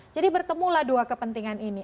jadi bertemulah dua kepentingan ini